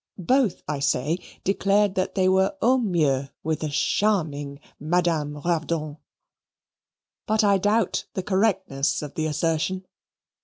both, I say, declared that they were au mieux with the charming Madame Ravdonn. But I doubt the correctness of the assertion.